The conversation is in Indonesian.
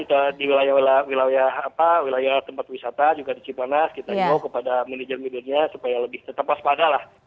pertama di wilayah tempat wisata juga di cipanas kita jauh kepada manajer manajernya supaya lebih tetap pas pada lah